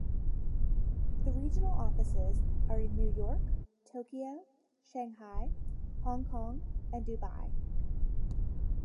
The regional offices are in New York, Tokyo, Shanghai, Hong Kong and Dubai.